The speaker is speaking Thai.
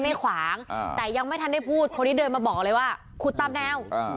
ไม่ขวางอ่าแต่ยังไม่ทันได้พูดคนนี้เดินมาบอกเลยว่าขุดตามแนว